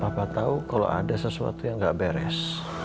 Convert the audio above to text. papa tau kalau ada sesuatu yang gak beres